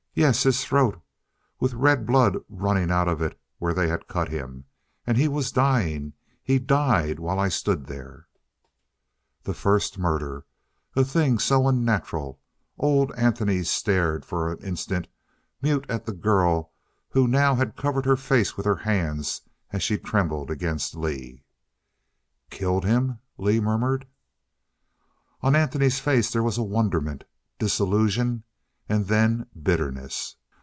"Yes. His throat, with red blood running out of it where they had cut him and he was dying he died while I stood there " The first murder. A thing so unnatural. Old Anthony stared for an instant mute at the girl who now had covered her face with her hands as she trembled against Lee. "Killed him?" Lee murmured. On Anthony's face there was wonderment disillusion, and then bitterness.